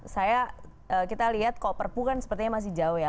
saya kita lihat kok perpu kan sepertinya masih jauh ya